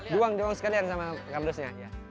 duang duang sekalian sama kamusnya